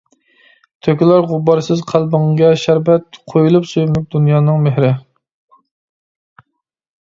تۆكۈلەر غۇبارسىز قەلبىڭگە شەربەت، قۇيۇلۇپ سۆيۈملۈك دۇنيانىڭ مېھرى.